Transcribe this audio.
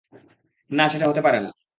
না, সেটা হতে পারে না।